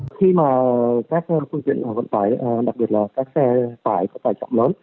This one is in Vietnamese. khi mà các phương tiện vận tải đặc biệt là các xe tải có tải trọng lớn